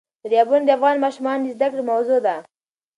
دریابونه د افغان ماشومانو د زده کړې موضوع ده.